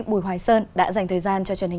bùi hoài sơn đã dành thời gian cho truyền hình